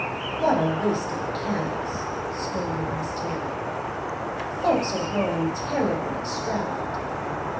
"What a waste of candles!" scolded Miss Terry. "Folks are growing terribly extravagant."